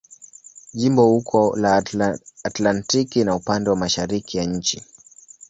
Jimbo uko la Atlantiki na upande wa mashariki ya nchi.